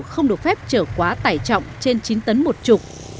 không được phép chở quá tải trọng trên chín tấn một chục